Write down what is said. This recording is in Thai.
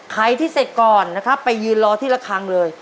ใครที่เสร็จก่อนนะครับไปยืนรอที่ละครั้งเลย